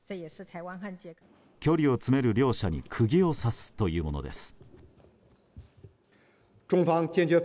距離を詰める両者に釘を刺すというものです。